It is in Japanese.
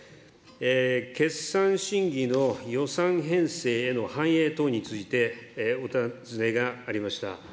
決算審議の予算編成への反映等について、お尋ねがありました。